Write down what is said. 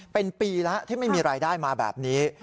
เป็นปีแล้วที่ไม่มีรายได้มาแบบนี้